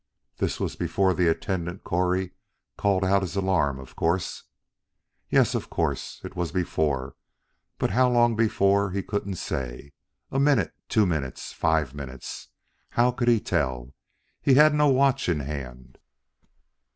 "This was before the attendant Correy called out his alarm, of course?" Yes, of course it was before; but how long before, he couldn't say. A minute two minutes five minutes how could he tell! He had no watch in hand.